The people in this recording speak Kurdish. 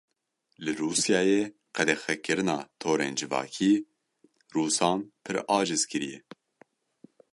Li Rûsyayê Qedexekirina torên civakî rûsan pir aciz kiriye.